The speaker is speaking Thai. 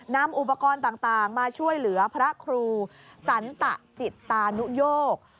นำอุปกรณ์ต่างมาช่วยเหลือพระครูสันตะจิตตานุโยก